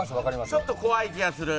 ちょっと怖い気がする。